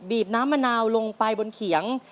น้ำมะนาวลงไปบนเขียง